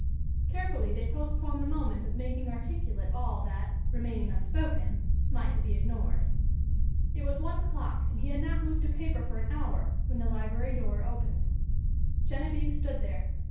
Carefully they postponed the moment of making articulate all that, remaining unspoken, might be ignored. It was one o'clock and he had not moved a paper for an hour, when the library door opened. Genevieve stood there.